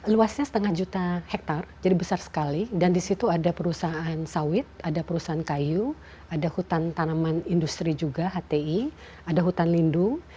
luasnya setengah juta hektare jadi besar sekali dan di situ ada perusahaan sawit ada perusahaan kayu ada hutan tanaman industri juga hti ada hutan lindung